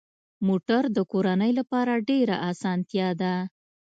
موټر د کورنۍ لپاره ډېره اسانتیا ده.